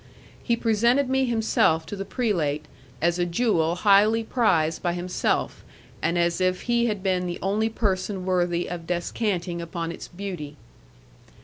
He presented me himself to the prelate as a jewel highly prized by himself, and as if he had been the only person worthy of descanting upon its beauty.